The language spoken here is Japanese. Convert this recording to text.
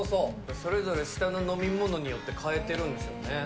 それぞれ下の飲み物によって、変えてるんですよね。